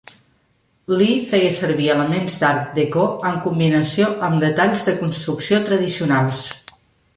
Lee feia servir elements d'art déco en combinació amb detalls de construcció tradicionals.